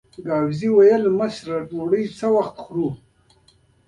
ګاووزي وویل: مشره ډوډۍ څه وخت خورو؟